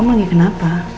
om lagi kenapa